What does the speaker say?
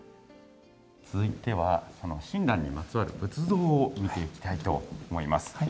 続いてはその親鸞にまつわる仏像を見ていきたいと思います。